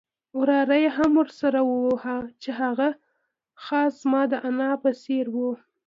وراره یې هم ورسره وو چې هغه خاص زما د انا په څېر وو.